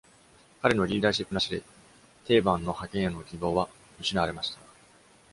彼のリーダーシップなしで、テーバンの覇権への希望は失われました。